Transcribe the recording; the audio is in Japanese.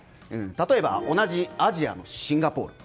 例えば同じアジアのシンガポール。